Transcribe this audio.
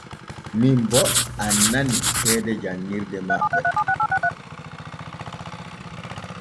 Min bo annani ceede jan ŋirde maɓɓe.